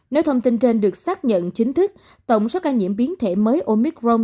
nếu thông tin trên được xác nhận chính thức tổng số ca nhiễm biến thể mới omicron